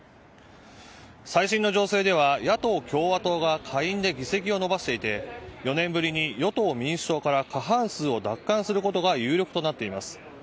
最新の情勢では野党・共和党が下院で議席を伸ばしていて４年ぶりに与党・民主党から過半数を奪還することが有力となっています。